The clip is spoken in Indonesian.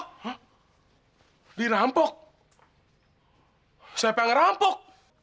hah dirampok siapa yang ngerampok